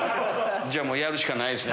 じゃあやるしかないっすね。